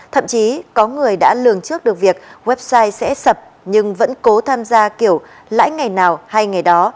thậm chí có người đã lường trước được việc website sẽ sập nhưng vẫn cố tham gia kiểu lãi ngày nào hay ngày đó